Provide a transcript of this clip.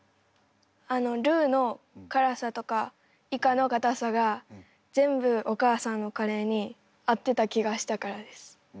あのルーの辛さとかイカのかたさが全部お母さんのカレーに合ってた気がしたからです。